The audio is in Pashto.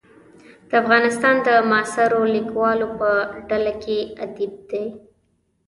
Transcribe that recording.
د افغانستان د معاصرو لیکوالو په ډله کې ادیب دی.